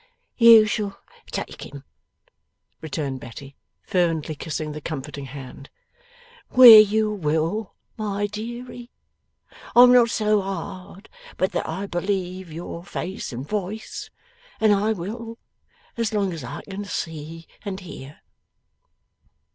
'You shall take him,' returned Betty, fervently kissing the comforting hand, 'where you will, my deary. I am not so hard, but that I believe your face and voice, and I will, as long as I can see and hear.